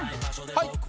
はい！